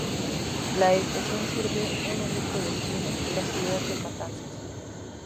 La estación sirve un único destino: la ciudad de Matanzas.